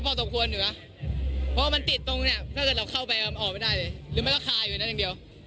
อ๋อก็พอสมควรอยู่นะเพราะมันติดตรงเนี่ยถ้าเกิดเราเข้าไปออกไม่ได้เลยหรือไม่รักคลายอยู่นั่นอย่างเดียว